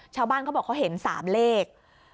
ชาวบ้านเขาบอกเขาเห็น๓เลข